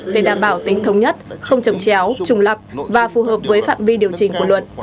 để đảm bảo tính thống nhất không chấm chéo trùng lập và phù hợp với phạm vi điều chỉnh của luật